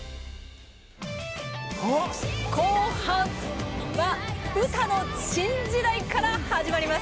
後半は、ウタの「新時代」から始まります。